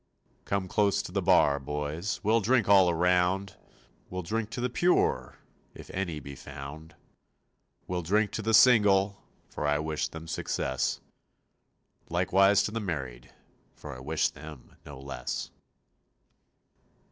Come close to the bar, boys, We'll drink all around. We'll drink to the pure, If any be found; We'll drink to the single, For I wish them success; Likewise to the married, For I wish them no less.